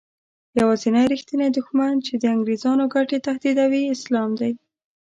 یوازینی رښتینی دښمن چې د انګریزانو ګټې تهدیدوي اسلام دی.